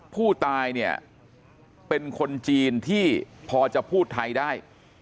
ผู้ตายเนี่ยเป็นคนจีนที่พอจะพูดไทยได้